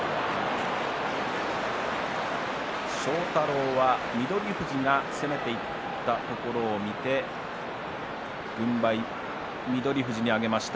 庄太郎は翠富士が攻めていったところを見て軍配、翠富士に挙げました。